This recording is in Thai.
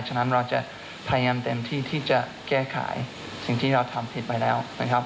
ฉะนั้นเราจะพยายามเต็มที่ที่จะแก้ไขสิ่งที่เราทำผิดไปแล้วนะครับ